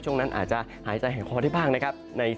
ช่วงนั้นอาจจะหายใจแห่งคอได้บ้างนะครับ